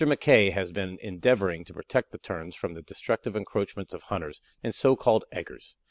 Mackay has been endeavoring to protect the Terns from the destructive encroachments of hunters and so called "eggers."